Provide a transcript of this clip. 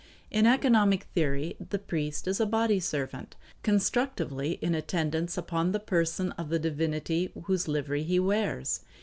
In economic theory, the priest is a body servant, constructively in attendance upon the person of the divinity whose livery he wears.